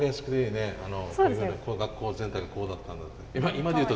学校全体がこうだったんだって。